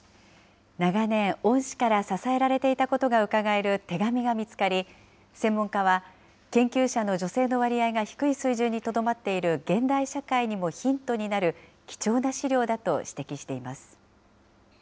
長年、恩師から支えられていたことがうかがえる手紙が見つかり、専門家は研究者の女性の割合が低い水準にとどまっている現代社会にもヒントになる貴重な資料だと指摘しています。